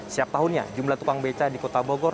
setiap tahunnya jumlah tukang beca di kota bogor